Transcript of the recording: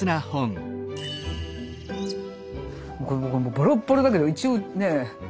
ボロッボロだけど一応ね。